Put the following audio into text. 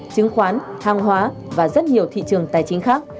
chứng khoán hàng hóa và rất nhiều thị trường tài chính khác